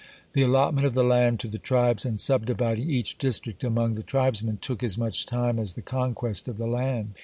(50) The allotment of the land to the tribes and subdividing each district among the tribesmen took as much time as the conquest of the land.